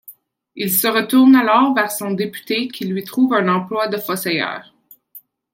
Il se retourne alors vers son député qui lui trouve un emploi de fossoyeur.